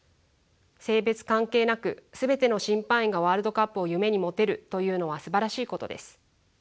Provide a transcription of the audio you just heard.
性別関係なく全ての審判員がワールドカップを夢に持てるというのはすばらしいことです。